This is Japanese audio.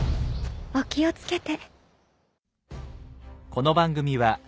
お気を付けて。